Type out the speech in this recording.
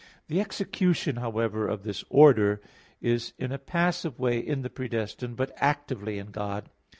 The execution, however, of this order is in a passive way in the predestined, but actively in God.